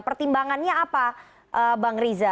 pertimbangannya apa bang riza